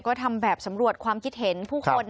ก็ทำแบบสำรวจความคิดเห็นผู้คน